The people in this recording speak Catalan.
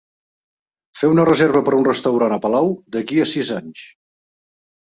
Fer una reserva per a un restaurant a Palau d'aquí a sis anys